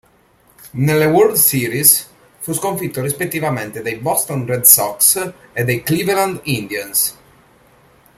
Nelle World Series fu sconfitto rispettivamente dai Boston Red Sox e dai Cleveland Indians.